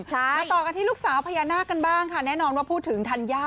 มาต่อกันที่ลูกสาวพญานาคกันบ้างค่ะแน่นอนว่าพูดถึงธัญญา